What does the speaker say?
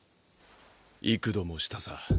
幾度もしたさ。